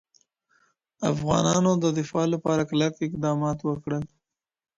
افغانانو د دفاع لپاره کلک اقدامات وکړل.